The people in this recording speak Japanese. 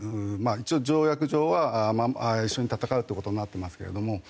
一応条約上は一緒に戦うって事になってますけれども。